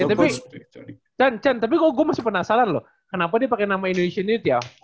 ya tapi chan chan tapi kok gue masih penasaran loh kenapa dia pake nama indonesian youth ya